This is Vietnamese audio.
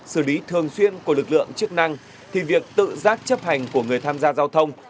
xử lý thường xuyên của lực lượng chức năng thì việc tự giác chấp hành của người tham gia giao thông